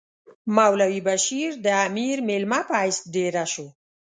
مولوی بشیر د امیر مېلمه په حیث دېره شو.